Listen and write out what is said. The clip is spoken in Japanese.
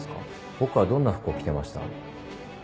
僕はどんな服を着てました？